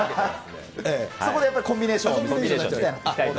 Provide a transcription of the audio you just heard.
そこでやっぱりコンビネーションを。